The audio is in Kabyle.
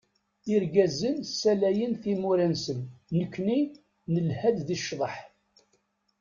Irgazen salayen timura-nsen, nekkni nelha-d di cḍeḥ.